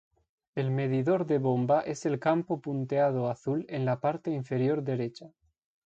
El medidor de bomba es el campo punteado azul en la parte inferior derecha.